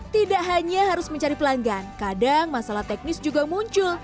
tidak hanya harus mencari pelanggan kadang masalah teknis juga muncul